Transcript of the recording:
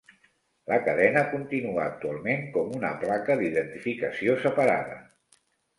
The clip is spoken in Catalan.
La cadena continua actualment com una placa d'identificació separada.